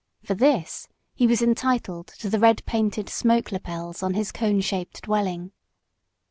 For this he was entitled to the red painted smoke lapels on his cone shaped dwelling.